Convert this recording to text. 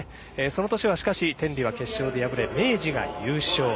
その年はしかし天理は決勝で敗れ明治が優勝。